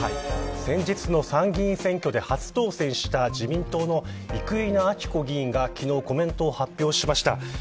先日の参議院選挙で初当選した自民党の生稲晃子議員が昨日コメントを発表しました。